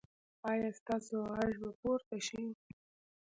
ایا ستاسو غږ به پورته شي؟